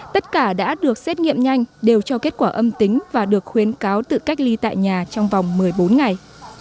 tất cả đã được xét nghiệm nhanh đều cho kết quả âm tính và được khuyến cáo tự cách ly tại nhà trong vòng một mươi bốn ngày